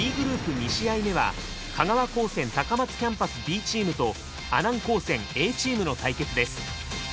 ２試合目は香川高専高松キャンパスＢチームと阿南高専Ａチームの対決です。